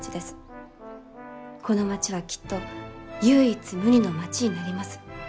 この町はきっと唯一無二の町になります。